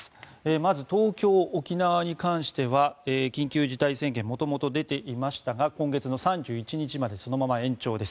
まず東京、沖縄に関しては緊急事態宣言元々出ていましたが今月の３１日までそのまま延長です。